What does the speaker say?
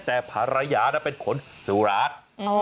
แต่ภรรยาเป็นคนสุราช